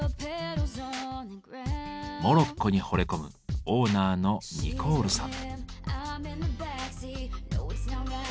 モロッコにほれ込むオーナーのニコールさん。